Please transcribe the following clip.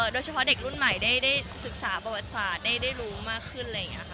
โดยเฉพาะเด็กรุ่นใหม่ได้ศึกษาประวัติศาสตร์ได้รู้มากขึ้นอะไรอย่างนี้ค่ะ